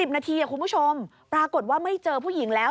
นาทีคุณผู้ชมปรากฏว่าไม่เจอผู้หญิงแล้ว